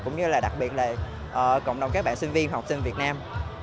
cũng như là đặc biệt là cộng đồng các bạn sinh viên học sinh việt nam